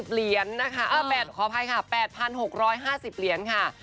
เหรียญนะคะขออภัยค่ะ๘๖๕๐เหรียญค่ะ